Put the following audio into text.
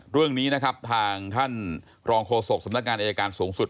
เรื่องนี้ทางท่านลองโคสพสนักงานไอ้อาการสูงสุด